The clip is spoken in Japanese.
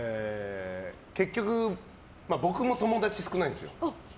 結局、僕も友達少ないんですよ。